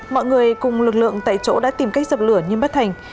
mọi người cùng lực lượng tại chỗ đã tìm cách dập lửa nhưng bất thành